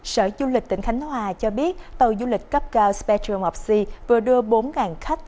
sở du lịch tỉnh khánh hòa cho biết tàu du lịch cấp cao spetro opsi vừa đưa bốn khách